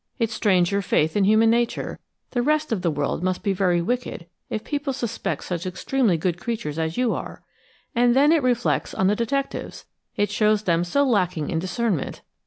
It strains your faith in human nature; the rest of the world must be very wicked if people suspect such extremely good creatures as you are! And then it reflects on the detectives; it shows them so lacking in discernment.